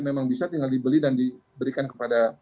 memang bisa tinggal dibeli dan diberikan kepada